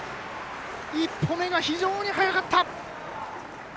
１歩目が非常に早かった！